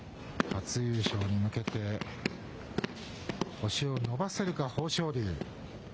初優勝に向けて、星を伸ばせるか、豊昇龍。